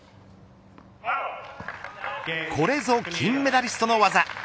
これぞ金メダリストの技。